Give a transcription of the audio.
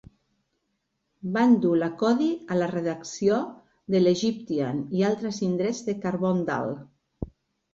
Van dur la "Kodee" a la redacció de l'"Egyptian" i altres indrets de Carbondale.